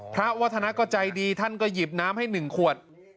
วัฒนาก็ใจดีท่านก็หยิบน้ำให้๑ขวด